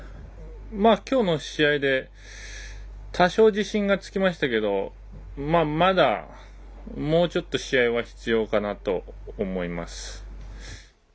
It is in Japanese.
きょうの試合で多少、自信がつきましたけどまだ、もうちょっと試合は必要かなと思います。